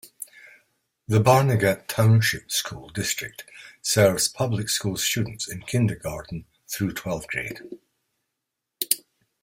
The Barnegat Township School District serves public school students in Kindergarten through twelfth grade.